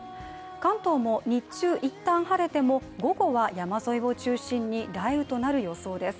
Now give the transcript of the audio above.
関東も日中、一旦晴れても午後は山沿いを中心に雷雨となる予想です。